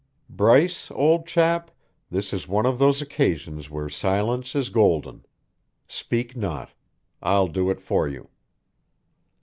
Bryce, old chap, this is one of those occasions where silence is golden. Speak not. I'll do it for you.